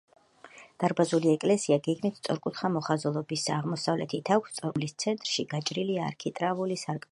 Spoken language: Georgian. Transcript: დარბაზული ეკლესია გეგმით სწორკუთხა მოხაზულობისაა, აღმოსავლეთით აქვს სწორკუთხა საკურთხეველი, რომლის ცენტრში გაჭრილია არქიტრავული სარკმელი.